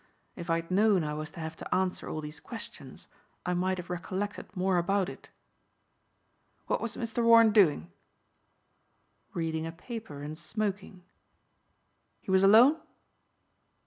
If I'd known I was to have to answer all these questions I might have recollected more about it." "What was Mr. Warren doing?" "Reading a paper and smoking." "He was alone?"